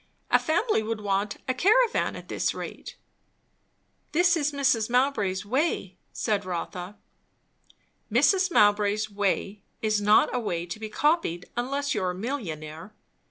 A family would want a caravan at this rate." "This is Mrs. Mowbray's way," said Rotha. "Mrs. Mowbray's way is not a way to be copied, unless you are a millionaire.